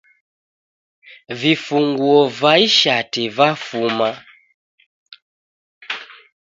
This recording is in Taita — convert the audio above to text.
Vifunguo va ishati vafuma